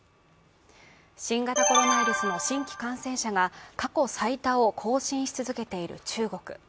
新型コロナウイルスの新規感染者が過去最多を更新し続けている中国。